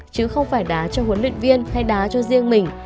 chứ không phải đá cho huấn luyện viên hay đá cho riêng mình